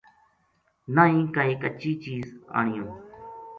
نہ ہی کائے کچی چیز آنیوں